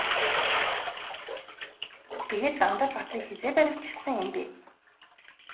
Тэгээд Дандар баатрыг хэзээ баривчилсан юм бэ?